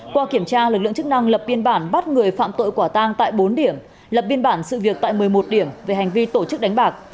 qua kiểm tra lực lượng chức năng lập biên bản bắt người phạm tội quả tang tại bốn điểm lập biên bản sự việc tại một mươi một điểm về hành vi tổ chức đánh bạc